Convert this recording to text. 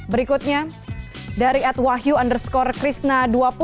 berikutnya dari ad wahyu underscore krishna dua puluh